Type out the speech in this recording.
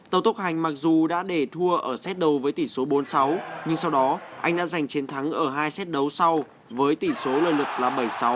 tàu tốc hành mặc dù đã để thua ở xe đầu với tỉ số bốn sáu nhưng sau đó anh đã giành chiến thắng ở hai xe đấu sau với tỉ số lợi lực là bảy sáu một mươi một chín